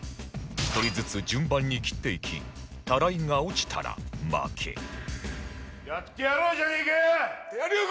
１人ずつ順番に切っていきタライが落ちたら負けやってやろうじゃねえかよ！